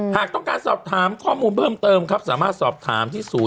หากต้องการสอบถามข้อมูลเพิ่มเติมครับสามารถสอบถามที่ศูนย์